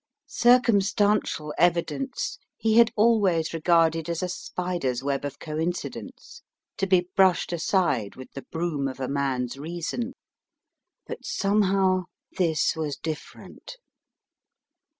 Circumstan tial evidence he had always regarded as a spider's web of coincidence to be brushed aside with the broom of a man's reason. But, somehow, this was different.